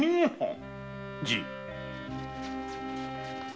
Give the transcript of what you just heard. じい。